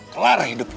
kelar hidup lo